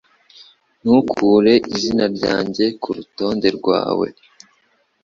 Ntukure izina ryanjye kurutonde rwawe